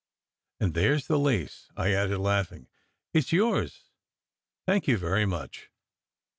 "And there s the lace," I added, laughing. "It s yours Thank you very much."